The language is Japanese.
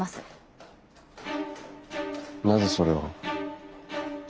なぜそれを。